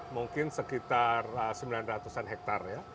mungkin sekitar sembilan ratus an hektar ya